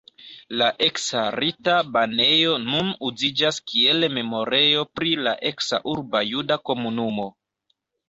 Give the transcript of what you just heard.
La eksa rita banejo nun uziĝas kiel memorejo pri la eksa urba juda komunumo.